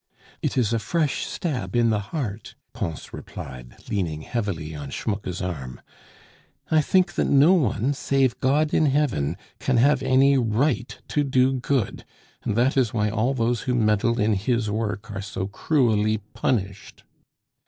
"It is a fresh stab in the heart," Pons replied, leaning heavily on Schmucke's arm. "I think that no one, save God in heaven, can have any right to do good, and that is why all those who meddle in His work are so cruelly punished."